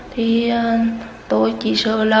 thì tôi chỉ sợ là